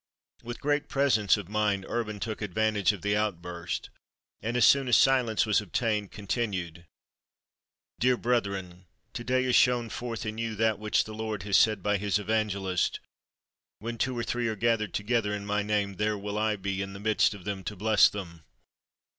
_" With great presence of mind Urban took advantage of the outburst, and as soon as silence was obtained, continued: "Dear brethren, to day is shewn forth in you that which the Lord has said by his Evangelist, 'When two or three are gathered together in my name, there will I be in the midst of them to bless them.'